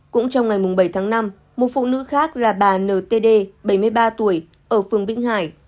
cũng trong ngày bảy tháng năm một phụ nữ khác là bà n t d bảy mươi ba tuổi ở phường vĩnh hải